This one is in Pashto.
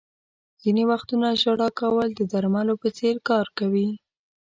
• ځینې وختونه ژړا کول د درملو په څېر کار کوي.